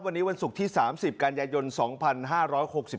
วันนี้วันศุกร์ที่๓๐กันยายน๒๕๖๒